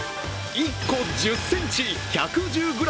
１個１０ｃｍ、１１０ｇ。